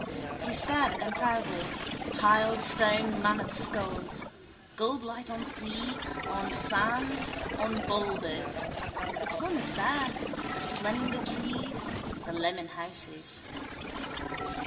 He stared at them proudly, piled stone mammoth skulls. Gold light on sea, on sand, on boulders. The sun is there, the slender trees, the lemon houses.